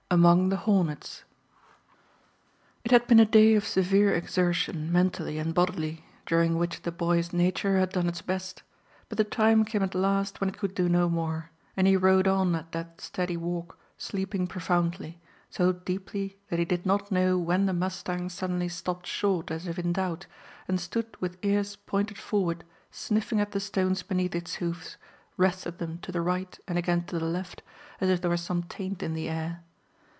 AMONG THE HORNETS. It had been a day of severe exertion mentally and bodily, during which the boy's nature had done its best; but the time came at last when it could do no more, and he rode on at that steady walk, sleeping profoundly, so deeply that he did not know when the mustang suddenly stopped short as if in doubt, and stood with ears pointed forward sniffing at the stones beneath its hoofs, wrested them to the right and again to the left, as if there was some taint in the air.